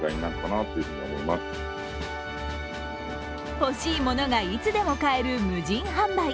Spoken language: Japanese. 欲しいものがいつでも買える無人販売。